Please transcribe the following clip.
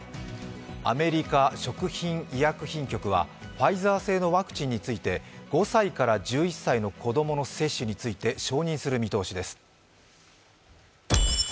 アメリカ食品医薬品局はファイザー製のワクチンについて５歳から１１歳の子供の接種について承認する見通しです。